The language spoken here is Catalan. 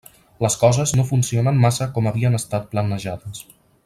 Les coses no funcionen massa com havien estat planejades.